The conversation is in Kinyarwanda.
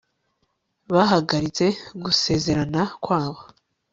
bahagaritse gusezerana kwabo